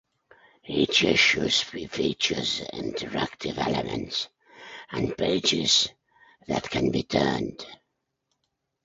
Each issue features interactive elements and 'pages' that can be 'turned'.